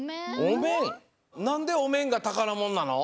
なんでおめんがたからものなの？